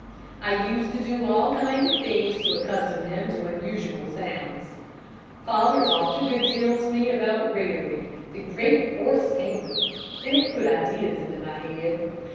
I used to do all kinds of things to accustom him to unusual sounds. Father talked a good deal to me about Rarey, the great horse tamer, and it put ideas into my head.